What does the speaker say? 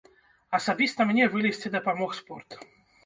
Асабіста мне вылезці дапамог спорт.